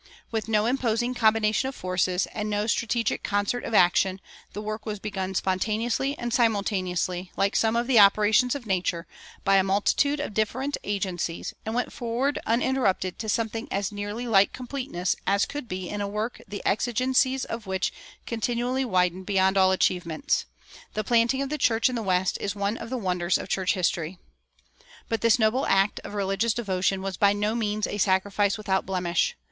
With no imposing combination of forces, and no strategic concert of action, the work was begun spontaneously and simultaneously, like some of the operations of nature, by a multitude of different agencies, and went forward uninterrupted to something as nearly like completeness as could be in a work the exigencies of which continually widened beyond all achievements. The planting of the church in the West is one of the wonders of church history. But this noble act of religious devotion was by no means a sacrifice without blemish.